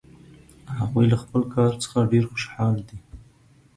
هغوی له خپل کار څخه ډېر خوشحال دي